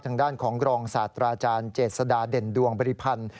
ทางด้านของกรองศาสตราอาจารย์เจษฎาเด่นดวงบริพันธ์